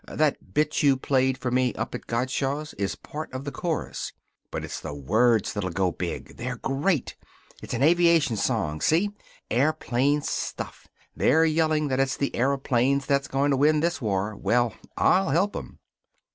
That bit you played for me up at Gottschalk's is part of the chorus. But it's the words that'll go big. They're great. It's an aviation song, see? Airplane stuff. They're yelling that it's the airyoplanes that're going to win this war. Well, I'll help 'em.